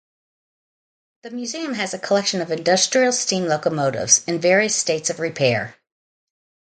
The museum has a collection of industrial steam locomotives, in various states of repair.